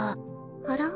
あら？